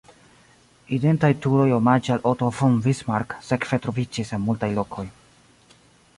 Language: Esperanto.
Identaj turoj omaĝe al Otto von Bismarck sekve troviĝis en multaj lokoj.